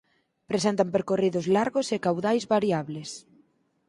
Presentan percorridos largos e caudais variables.